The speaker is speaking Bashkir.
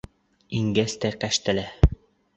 Ингәс тә кәштәлә!